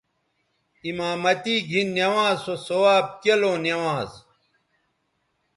امامتی گھن نوانز سو ثواب کیلوں نوانز